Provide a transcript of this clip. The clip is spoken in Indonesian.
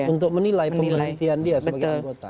untuk menilai pemberhentian dia sebagai anggota